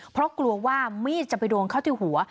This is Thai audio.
เพราะกลัวว่ามีดจะไปโดนเข้าที่หัว